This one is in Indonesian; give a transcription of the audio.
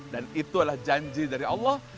dan itulah janji dari allah